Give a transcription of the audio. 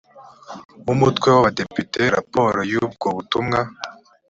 w umutwe w abadepite raporo y ubwo butumwa